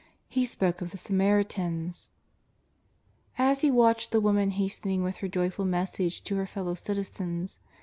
He spoke of the Samaritans ! As He watched the woman hastening vdth her joy ful message to her fellow citizens.